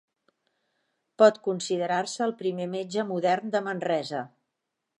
Pot considerar-se el primer metge modern de Manresa.